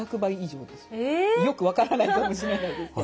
よく分からないかもしれないですけど。